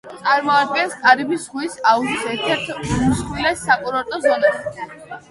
წარმოადგენს კარიბის ზღვის აუზის ერთ-ერთ უმსხვილეს საკურორტო ზონას.